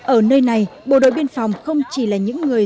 ở nơi này bộ đội biên phòng không chỉ là những người